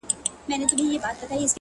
• خو ډوډۍ یې له هر چا څخه تنها وه,